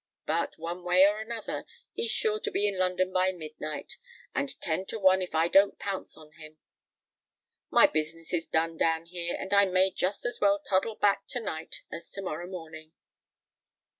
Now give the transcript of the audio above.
But, one way or another, he's sure to be in London by midnight; and ten to one if I don't pounce on him. My business is done down here; and I may just as well toddle back to night as to morrow morning."